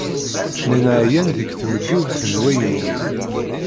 Nnan ɛyan deg tmeggiwt n wayen-nni.